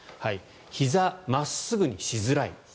ひざ、真っすぐにしづらい。